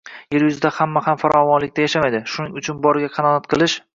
Yer yuzida hamma ham farovonlikda yashamaydi, shuning uchun boriga qanoat qilish.